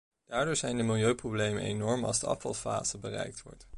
Daardoor zijn de milieuproblemen enorm als de afvalfase bereikt wordt.